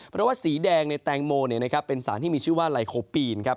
เพราะว่าสีแดงในแตงโมเป็นสารที่มีชื่อว่าไลโคปีนครับ